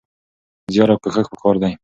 زيار او کوښښ پکار دی.